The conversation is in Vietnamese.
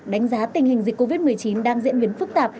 đánh giá tình hình dịch covid một mươi chín đang diễn biến phức tạp